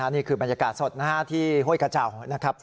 นี่คือบรรยากาศสดที่ห้วยกระเจ้านะครับ